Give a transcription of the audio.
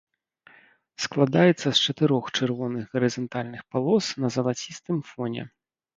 Складаецца з чатырох чырвоных гарызантальных палос на залацістым фоне.